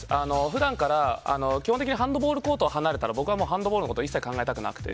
普段から基本的にハンドボールコートを離れたら僕はハンドボールのことを一切考えたくなくて。